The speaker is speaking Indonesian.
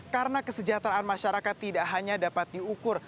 karena kesejahteraan masyarakat tidak hanya dapat diukur